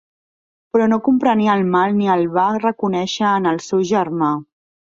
Però no comprenia el mal, ni el va reconèixer en el seu germà.